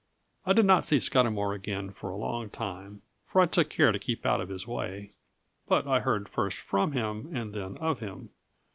I did not see Scudamour again for a long time, for I took care to keep out of his way; but I heard first from him and then of him.